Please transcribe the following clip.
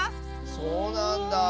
そうなんだあ。